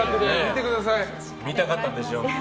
見たかったんでしょ？